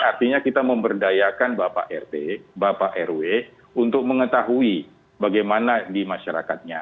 artinya kita memberdayakan bapak rt bapak rw untuk mengetahui bagaimana di masyarakatnya